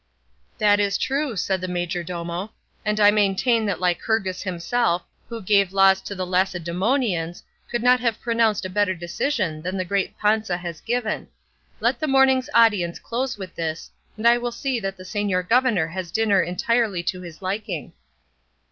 "That is true," said the majordomo; "and I maintain that Lycurgus himself, who gave laws to the Lacedemonians, could not have pronounced a better decision than the great Panza has given; let the morning's audience close with this, and I will see that the señor governor has dinner entirely to his liking."